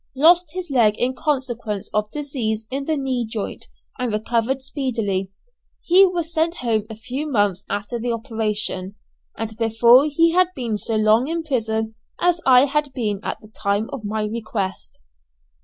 Lost his leg in consequence of disease in the knee joint, and recovered speedily. He was sent home a few months after the operation, and before he had been so long in prison as I had been at the time of my request.